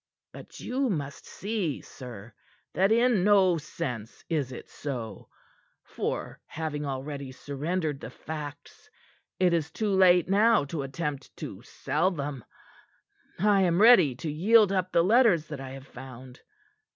But you must see, sir, that in no sense is it so, for, having already surrendered the facts, it is too late now to attempt to sell them. I am ready to yield up the letters that I have found.